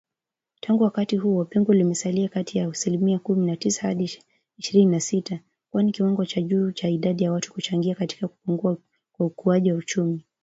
Tangu wakati huo, pengo limesalia kati ya asilimia kumi na tisa hadi ishirini na sita, kwani kiwango cha juu cha idadi ya watu kilichangia katika kupungua kwa ukuaji wa uchumi